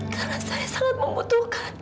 karena saya sangat membutuhkannya